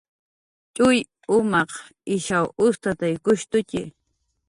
Tx'uy umaq ishaw ustataykushtutxi